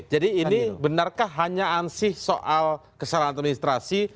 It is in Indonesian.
jadi ini benarkah hanya ansih soal kesalahan imitrasi